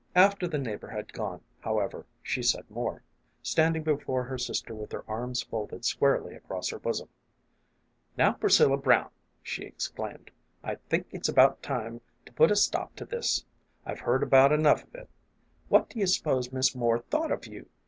After the neighbor had gone, however, she said more, standing before her sister with her arms folded squarely across her bosom. " Now, Priscilla Brown," she exclaimed, A FAR AWAY MELODY. 2I 5 "1 think it's about time to put a stop to this. I've heard about enough of it. What do you s'pose Miss Moore thought of you